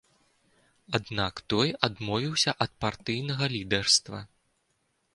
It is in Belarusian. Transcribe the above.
Аднак той адмовіўся ад партыйнага лідарства.